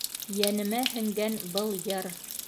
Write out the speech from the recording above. Йәнемә һеңгән был йыр: